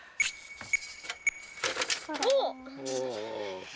おっ！